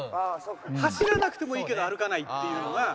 走らなくてもいいけど歩かないっていうのが。